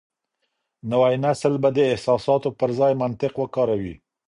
نوی نسل به د احساساتو پر ځای منطق وکاروي.